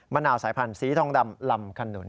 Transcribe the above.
นาวสายพันธุ์สีทองดำลำขนุน